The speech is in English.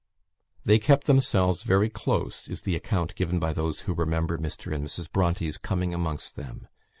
"They kept themselves very close," is the account given by those who remember Mr. and Mrs. Bronte's coming amongst them.